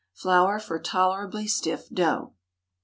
Flour for tolerably stiff dough.